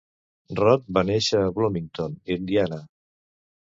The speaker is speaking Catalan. Roth va néixer a Bloomington, Indiana.